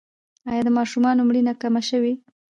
آیا د ماشومانو مړینه کمه شوې؟